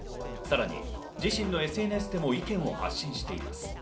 さらに自身のＳＮＳでも意見を発信しています。